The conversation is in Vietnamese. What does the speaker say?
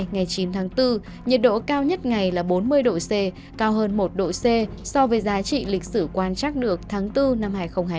ngày chín tháng bốn nhiệt độ cao nhất ngày là bốn mươi độ c cao hơn một độ c so với giá trị lịch sử quan trắc được tháng bốn năm hai nghìn hai mươi